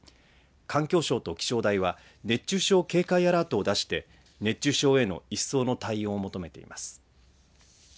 環境省と気象台は熱中症警戒アラートを出して熱中症への一層の対応を求めています。